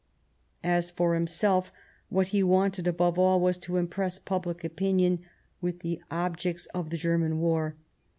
As for himself, what he wanted above all was to impress public opinion with the objects of the German war.